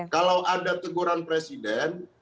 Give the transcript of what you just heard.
kalau ada teguran presiden